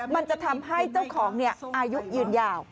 มันจะทำให้เจ้าของอายุยืนยาว